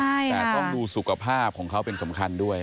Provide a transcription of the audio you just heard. แต่ต้องดูสุขภาพของเขาเป็นสำคัญด้วย